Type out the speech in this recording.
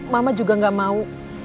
mama juga gak mau